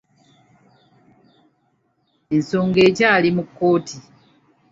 Ensongo ekyali mu kkooti.